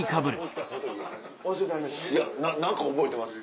いやな何か覚えてます。